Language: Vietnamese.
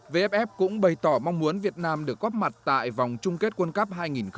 vff cũng bày tỏ mong muốn việt nam được góp mặt tại vòng chung kết quân cấp hai nghìn hai mươi